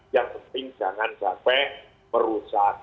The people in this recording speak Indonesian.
yang penting jangan sampai merusak